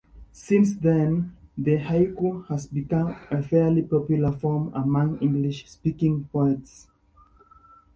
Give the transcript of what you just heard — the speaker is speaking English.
Since then, the haiku has become a fairly popular form among English-speaking poets.